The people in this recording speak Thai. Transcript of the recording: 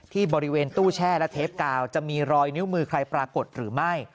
ที่บริเวณตู้แช่และเทปกาวจะมีรอยนิ้วมือใครปรากฏหรือไม่